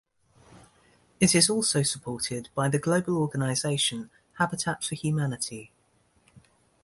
It is also supported by the global organization Habitat For Humanity.